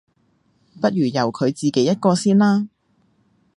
不如由佢自己一個先啦